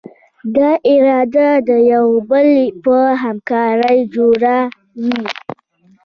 دا اداره د یو بل په همکارۍ جوړه وي.